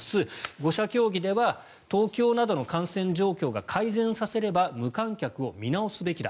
５者協議では、東京などの感染状況が改善されれば無観客を見直すべきだ。